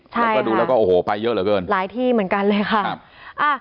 แล้วก็ดูแล้วก็โอ้โหไปเยอะเหลือเกินหลายที่เหมือนกันเลยค่ะ